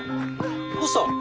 どうした？